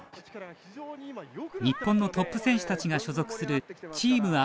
日本のトップ選手たちが所属するチーム